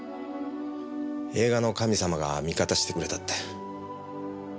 映画の神様が味方してくれたって。